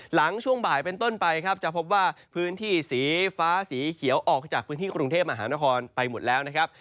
หลังช่วงบ่ายเป็นต้นไปครับจะพบว่าพื้นที่สีฟ้าสีเขียวออกจากพื้นที่กรุงเทพมหานครไปหมดแล้วนะครับ